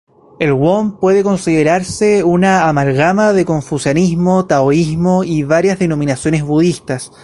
El Won puede considerarse una amalgama de confucianismo, taoísmo y varias denominaciones budistas.